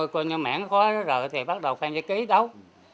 năm mươi coi như mảng khó rồi thì bắt đầu phan giấy ký đấu